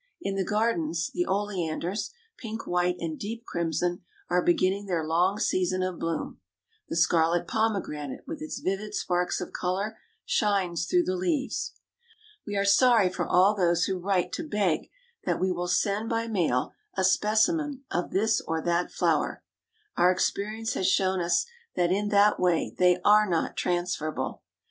In the gardens, the oleanders, pink, white, and deep crimson, are beginning their long season of bloom. The scarlet pomegranate, with its vivid sparks of color, shines through the leaves. We are sorry for all those who write to beg that we will send by mail a specimen of this or that flower. Our experience has shown us that in that way they are not transferable.